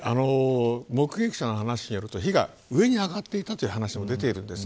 目撃者の話によると、火が上に上がっていたという話が出ています。